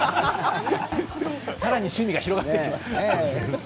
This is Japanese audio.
さらに趣味が広がっていきますね。